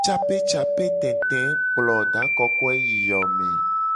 Capecapetete kplo da kokoe yi yo me.